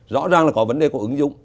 rõ ràng là có vấn đề của ứng dụng